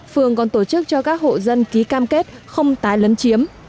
phường còn tổ chức cho các hộ dân ký cam kết không tái lấn chiếm